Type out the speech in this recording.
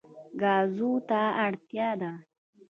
ګازو ته اړتیا ده.